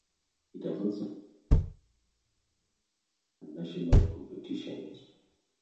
It has also hosted state and national competitions.